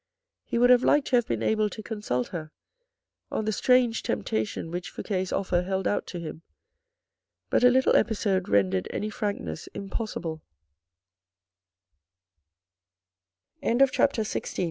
He would have liked to have been able to consult her on the strange temptation which Fouque's offer held out to him, but a little episode rendered any frankness i